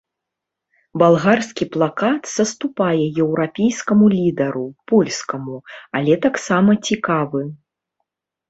Балгарскі плакат саступае еўрапейскаму лідару, польскаму, але таксама цікавы.